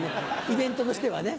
イベントとしてはね。